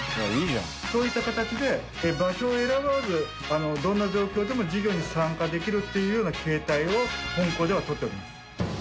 そういった形で場所を選ばずどんな状況でも授業に参加できるっていうような形態を本校ではとっております。